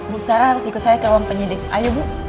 bu sarah harus ikut saya ke ruang penyidik ayo bu